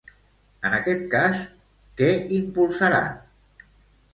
En aquest cas, què impulsaran?